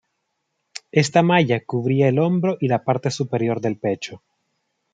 Esta malla cubría el hombro y la parte superior del pecho.